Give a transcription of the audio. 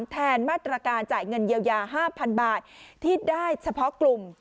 แทนมาตรการจ่ายเงินเยียวยา๕๐๐๐บาทที่ได้เฉพาะกลุ่ม